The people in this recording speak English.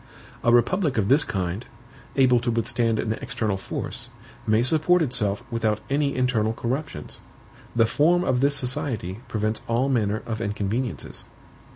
"A republic of this kind, able to withstand an external force, may support itself without any internal corruptions. The form of this society prevents all manner of inconveniences."